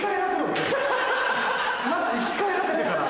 まず生き返らせてから。